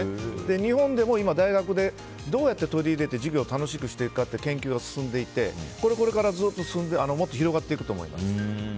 日本でも今、大学でどうやって取り入れて授業を楽しくしていくかという研究が進んでいてこれからずっと進んでもっと広がっていくと思います。